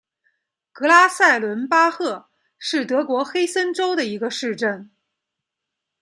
格拉塞伦巴赫是德国黑森州的一个市镇。